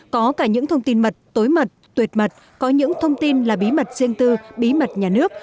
có cả những thông tin mật tối mật tuyệt mật có những thông tin là bí mật riêng tư bí mật nhà nước